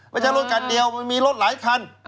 ไม่ใช่รถคันเดียวมันมีรถหลายคัน